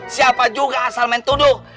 siapa juga asal men tuduh